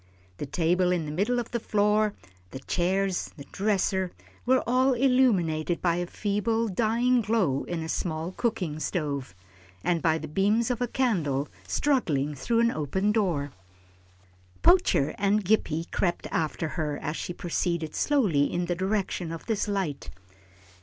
The table in the middle of the floor, the chairs, the dresser, were all illumined by a feeble, dying glow in a small cooking stove, and by the beams of a candle struggling through an open door. Poacher and Gippie crept after her as she proceeded slowly in the direction of this light.